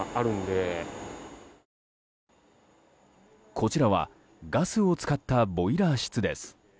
こちらはガスを使ったボイラー室です。